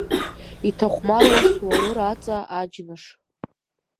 Иҭахәмаруа суалыр аҵа, аџьныш!